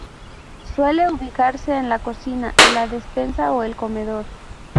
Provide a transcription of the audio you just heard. Suele ubicarse en la cocina, la despensa o el comedor.